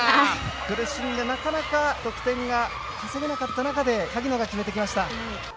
苦しんでなかなか得点が稼げなかった中で萩野が決めてきました。